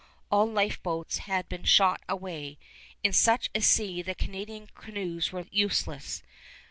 All lifeboats had been shot away. In such a sea the Canadian canoes were useless.